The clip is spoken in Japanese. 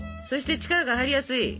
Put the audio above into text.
そして力が入りやすい。